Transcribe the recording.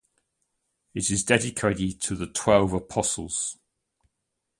It is dedicated to the Twelve Apostles.